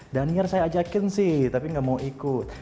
daniel saya ajakin sih tapi gak mau ikut